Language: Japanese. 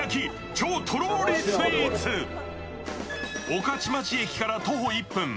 御徒町駅から徒歩１分。